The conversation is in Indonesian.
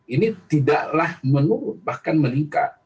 ini tidaklah menurun bahkan meningkat